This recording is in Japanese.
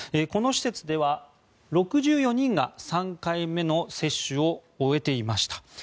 この施設では６４人が３回目の接種を終えていました。